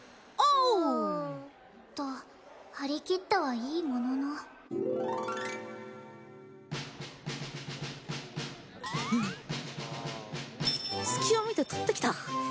おうと張り切ったはいいものの隙を見て取ってきた！